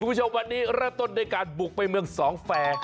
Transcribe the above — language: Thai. คุณผู้ชมวันนี้เริ่มต้นด้วยการบุกไปเมืองสองแฟร์